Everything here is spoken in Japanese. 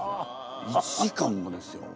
１時間もですよ。